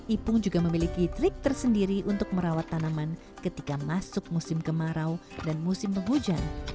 ipung juga memiliki trik tersendiri untuk merawat tanaman ketika masuk musim kemarau dan musim penghujan